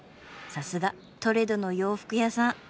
さすがトレドの洋服屋さん。